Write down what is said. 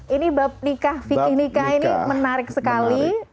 ini bab nikah fikih nikah ini menarik sekali